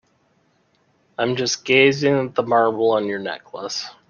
I'm just gazing at the marble of your necklace.